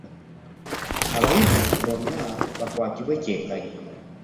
Abayizi bonna bakwatibwe kyenkanyi.